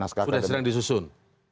sudah sedang disusun